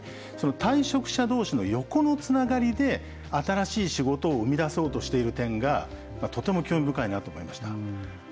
退職者どうしの横のつながりで新しい仕事を生み出そうとしている点がとても興味深いなと思いました。